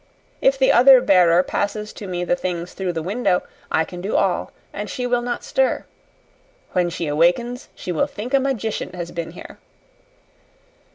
If the other bearer passes to me the things through the window, I can do all and she will not stir. When she awakens she will think a magician has been here."